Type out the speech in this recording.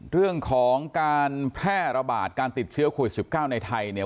เรื่องของการแพร่ระบาดการติดเชื้อโควิด๑๙ในไทยเนี่ย